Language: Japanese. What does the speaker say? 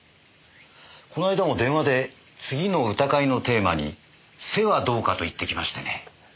この間も電話で次の歌会のテーマに「背」はどうかと言ってきましてね。